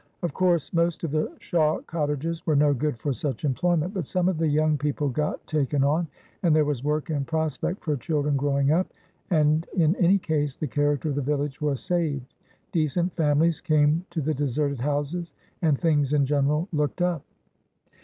Of course most of the Shawe cottagers were no good for such employment, but some of the young people got taken on, and there was work in prospect for children growing up, and in any case, the character of the village was saved. Decent families came to the deserted houses, and things in general looked up."